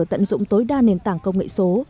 tận dụng tối đa nền tảng công nghệ số